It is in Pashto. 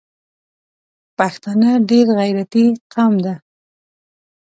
پښتانه ډېر غیرتي قوم ده